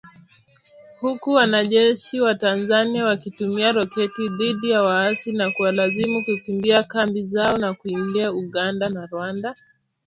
Huku wanajeshi wa Tanzania wakitumia roketi dhidi ya waasi na kuwalazimu kukimbia kambi zao na kuingia Uganda na Rwanda.